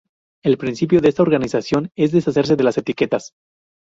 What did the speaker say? El principio de esta organización es deshacerse de las etiquetas.